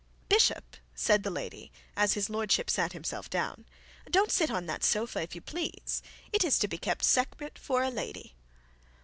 'Bishop,' said the lady, as his lordship sat himself down, 'don't sit on that sofa, if you please; it is to be kept separate for a lady.'